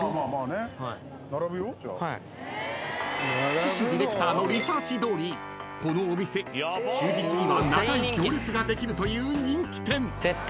［岸ディレクターのリサーチどおりこのお店休日には長い行列ができるという人気店］